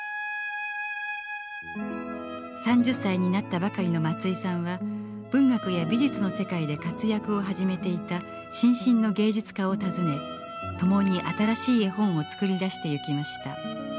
３０歳になったばかりの松居さんは文学や美術の世界で活躍を始めていた新進の芸術家を訪ね共に新しい絵本を作り出してゆきました。